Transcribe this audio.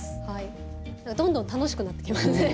どんどん楽しくなってきますね。